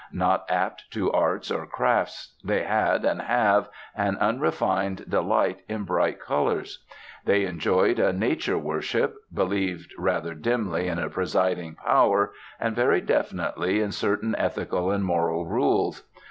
Not apt to arts or crafts, they had, and have, an unrefined delight in bright colours. They enjoyed a 'Nature Worship,' believed rather dimly in a presiding Power, and very definitely in certain ethical and moral rules.